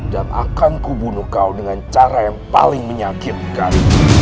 dan akan ku bunuh kau dengan cara yang paling menyakitkan